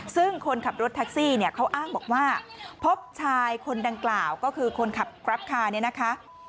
ซึ่งคนขับรถทักซี่เขาอ้างบอกว่าพบชายคนดังกล่าวก็คือคนขับกรับคลานี้นะคะ